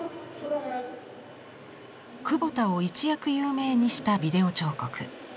久保田を一躍有名にした「ビデオ彫刻」。